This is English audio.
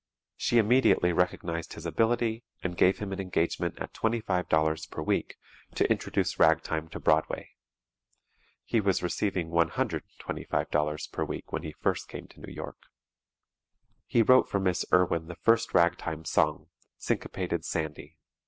She immediately recognized his ability and gave him an engagement at $25.00 per week, to introduce ragtime to Broadway. (He was receiving $125.00 per week when he first came to New York.) He wrote for Miss Irwin the first ragtime song, "Syncopated Sandy."